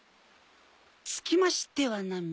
つきましてはナミ。